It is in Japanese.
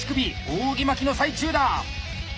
扇巻きの最中だ！